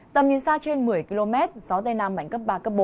tầm nhìn xa trên một mươi km gió tây nam mạnh cấp ba cấp bốn